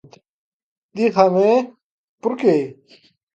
Dígame, ¿por que?